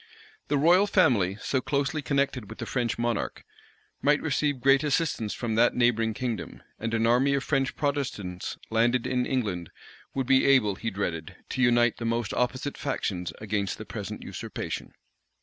The royal family, so closely connected with the French monarch, might receive great assistance from that neighboring kingdom; and an army of French Protestants landed in England would be able, he dreaded, to unite the most opposite factions against the present usurpation.